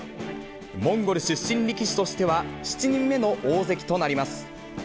モンゴル出身力士としては、７人目の大関となります。